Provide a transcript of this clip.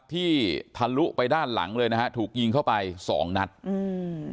ทะลุไปด้านหลังเลยนะฮะถูกยิงเข้าไปสองนัดอืม